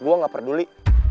gue gak peduli